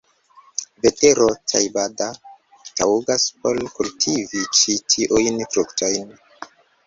Vetero Tajbada taŭgas por kultivi ĉi tiujn fruktojn.